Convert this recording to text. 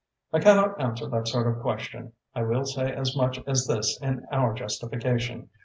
"I cannot answer that sort of question. I will say as much as this in our justification.